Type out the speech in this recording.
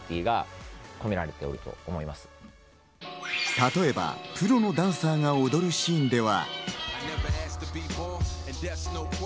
例えばプロのダンサーが踊るシーンでは。